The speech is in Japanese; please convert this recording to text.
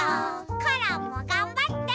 コロンもがんばって！